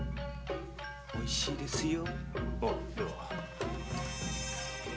おいしいですよ。